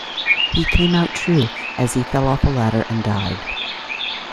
He came out true as he fell off a ladder and died.